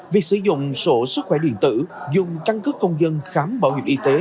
việc sử dụng sổ sức khỏe điện tử dùng căn cứ công dân khám bảo hiểm y tế